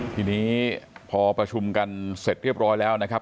ทีนี้พอประชุมกันเสร็จเรียบร้อยแล้วนะครับ